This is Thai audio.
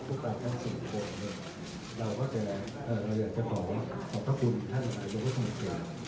ถึงขาดเนี่ยครับ